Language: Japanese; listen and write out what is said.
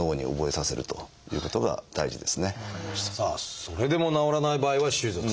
さあそれでも治らない場合は「手術」と。